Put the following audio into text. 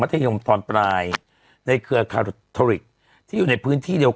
ธยมตอนปลายในเครือคาทอริกที่อยู่ในพื้นที่เดียว